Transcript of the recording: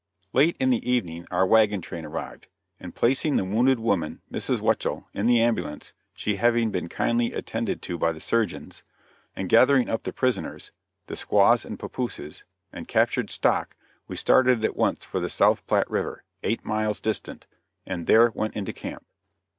Late in the evening our wagon train arrived, and placing the wounded woman, Mrs. Weichel, in the ambulance she having been kindly attended to by the surgeons, and gathering up the prisoners the squaws and papooses and captured stock, we started at once for the South Platte River, eight miles distant, and there went into camp.